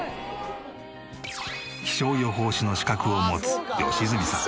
気象予報士の資格を持つ良純さん。